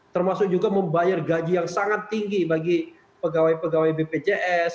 termasuk juga membayar gaji yang sangat tinggi bagi pegawai pegawai bpjs